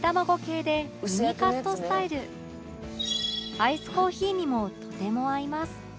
アイスコーヒーにもとても合います